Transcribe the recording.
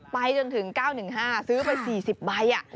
ไปจนถึง๙๑๕ซื้อไป๔๐ใบ